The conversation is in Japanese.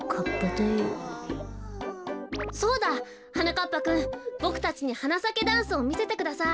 そうだはなかっぱくんボクたちに「はなさけダンス」をみせてください。